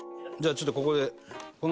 じゃあちょっとここで。